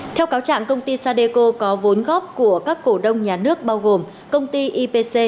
theo cáo trạng công ty sadeco có vốn góp của các cổ đông nhà nước bao gồm công ty ipc